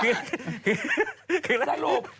คือหลักรูป